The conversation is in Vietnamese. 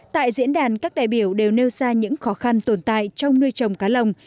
tại diễn đàn các đại biểu đều nêu ra những khó khăn tồn tại trong nuôi trồng